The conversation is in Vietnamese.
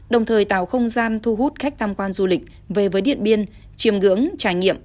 đồng thời tạo không gian thu hút khách tham quan du lịch về với điện biên chiềm ngưỡng trải nghiệm